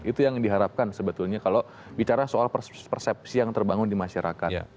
itu yang diharapkan sebetulnya kalau bicara soal persepsi yang terbangun di masyarakat